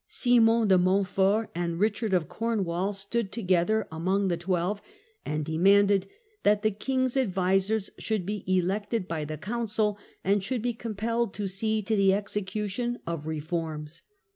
Simon de Montfort and Richard of Cornwall stood together among the twelve, and de manded that the king's advisers should be elected by the council, and should be compelled to see to the execution of reforms.